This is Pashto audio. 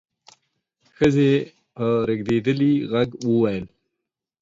ښځې په رېږدېدلي غږ وويل: